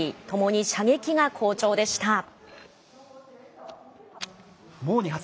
ともに射撃が好調でした。